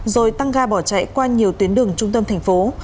rồi tăng ga bỏ chạy qua nhiều tuyến đường trung tâm thành phố